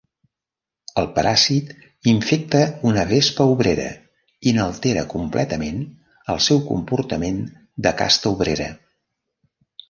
El paràsit infecta una vespa obrera i n'altera completament el seu comportament de casta obrera.